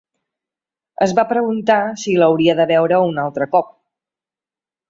Es va preguntar si l'hauria de veure un altre cop.